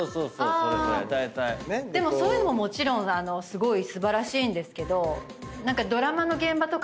そういうのももちろんすごい素晴らしいんですけど。